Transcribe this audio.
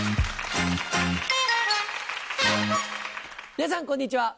皆さんこんにちは。